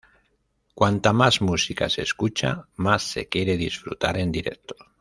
cuanta más música se escucha más se quiere disfrutar en directo